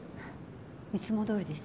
いつもどおりです。